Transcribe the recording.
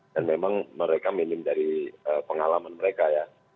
dan memang mereka minim dari pengalaman mereka ya